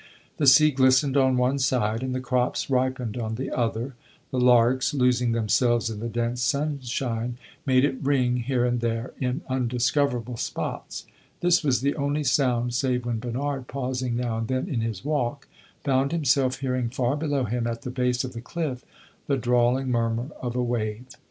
The sea glistened on one side, and the crops ripened on the other; the larks, losing themselves in the dense sunshine, made it ring here and there in undiscoverable spots; this was the only sound save when Bernard, pausing now and then in his walk, found himself hearing far below him, at the base of the cliff, the drawling murmur of a wave.